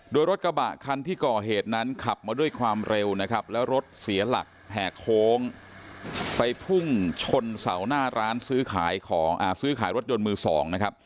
โดยรถกระบะคันที่ก่อเหตุนั้นขับมาด้วยความเร็วนะครับแล้วรถเสียหลักแหกโค้งไปพุ่งชนเสาหน้าร้านซื้อขายของซื้อขายรถยนต์มือสองนะครับ